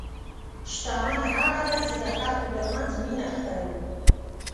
شتمن هغه دی چې د خلکو ترمنځ مینه خپروي.